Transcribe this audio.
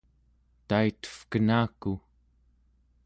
taitevkenaku